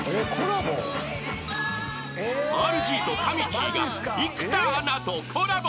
［ＲＧとかみちぃが生田アナとコラボ］